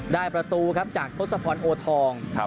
ได้ประตูครับจากทศพรโอทอง